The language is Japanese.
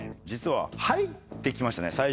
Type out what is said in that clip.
実は入ってきましたね。